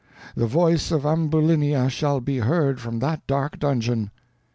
The voice of Ambulinia shall be heard from that dark dungeon."